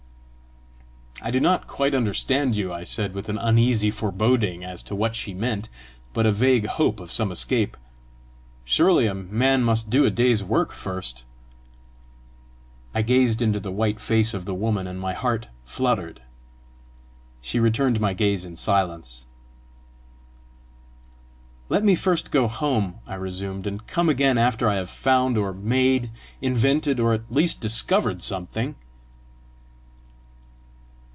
"I do not quite understand you," I said, with an uneasy foreboding as to what she meant, but a vague hope of some escape. "Surely a man must do a day's work first!" I gazed into the white face of the woman, and my heart fluttered. She returned my gaze in silence. "Let me first go home," I resumed, "and come again after I have found or made, invented, or at least discovered something!"